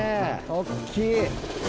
大っきい。